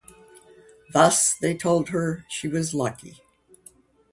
Thus, they told her, she was lucky.